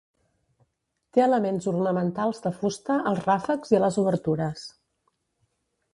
Té elements ornamentals de fusta als ràfecs i a les obertures.